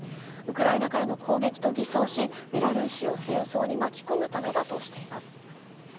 ウクライナの攻撃を偽装し、ベラルーシを戦争に巻き込むためだとしています。